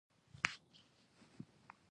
افغانستان کې تاریخ د هنر په اثار کې منعکس کېږي.